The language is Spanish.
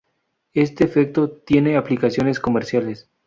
Este efecto tiene aplicaciones comerciales.